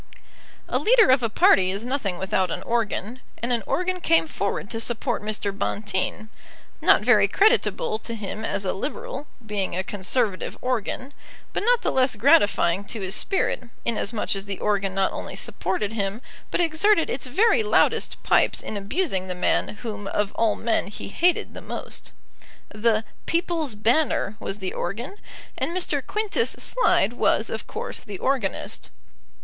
A leader of a party is nothing without an organ, and an organ came forward to support Mr. Bonteen, not very creditable to him as a Liberal, being a Conservative organ, but not the less gratifying to his spirit, inasmuch as the organ not only supported him, but exerted its very loudest pipes in abusing the man whom of all men he hated the most. The People's Banner was the organ, and Mr. Quintus Slide was, of course, the organist.